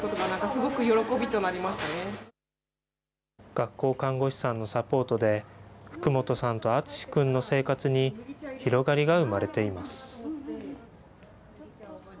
学校看護師さんのサポートで、福元さんとあつし君の生活に広がりが生まれています。